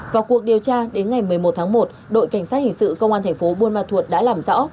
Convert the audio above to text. vào cuộc điều tra đến ngày một mươi một tháng một đội cảnh sát hình sự công an thành phố buôn ma thuột đã làm rõ